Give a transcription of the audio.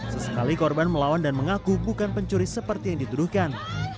sesekali korban melawan dan mengaku bukan pencuri seperti yang dituduhkan